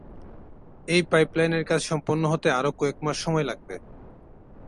এই পাইপ লাইনের কাজ সম্পন্ন হতে আরও কয়েক মাস সময় লাগবে।